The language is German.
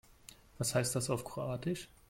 Was heißt das auf Kroatisch?